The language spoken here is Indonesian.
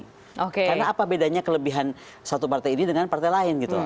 karena apa bedanya kelebihan satu partai ini dengan partai lain gitu